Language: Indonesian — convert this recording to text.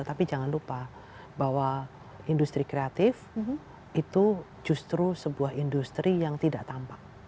tapi jangan lupa bahwa industri kreatif itu justru sebuah industri yang tidak tampak